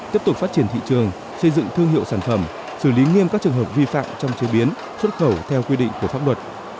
tiếp tục phát triển thị trường xây dựng thương hiệu sản phẩm xử lý nghiêm các trường hợp vi phạm trong chế biến xuất khẩu theo quy định của pháp luật